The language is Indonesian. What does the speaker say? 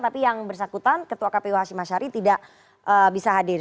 tapi yang bersangkutan ketua kpu hashim ashari tidak bisa hadir